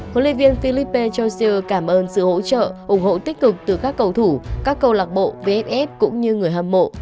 huấn luyện viên philippe josier cảm ơn sự hỗ trợ ủng hộ tích cực từ các cầu thủ các câu lạc bộ vff cũng như người hâm mộ